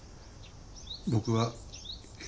僕は。